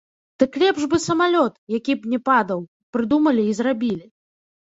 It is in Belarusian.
Дык лепш бы самалёт, які б не падаў, прыдумалі і зрабілі.